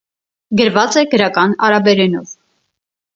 Գրված է գրական արաբերենով։